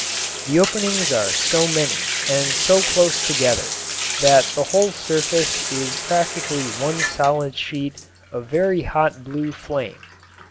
The openings are so many and so close together that the whole surface is practically one solid sheet of very hot blue flame.